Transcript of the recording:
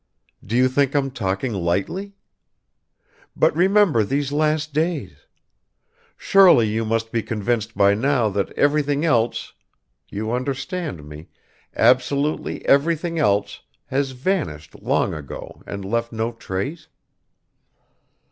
Do you think I'm talking lightly? But remember these last days! Surely you must be convinced by now that everything else you understand me absolutely everything else has vanished long ago and left no trace?